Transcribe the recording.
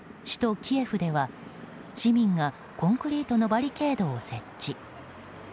首都キエフでは市民がコンクリートのバリケードを設置。